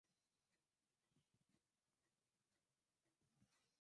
Wamasai ni mashujaa katika Afrika ya Mashariki ya Kijerumani